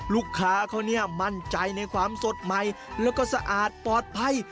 ลูกค้าเขาเนี่ยมั่นใจในความสดใหม่แล้วก็สะอาดปลอดภัย